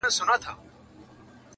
نعمتونه د پېغور او د مِنت یې وه راوړي,